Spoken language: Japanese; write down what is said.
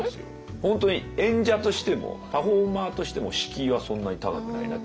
本当に演者としてもパフォーマーとしても敷居はそんなに高くないなって。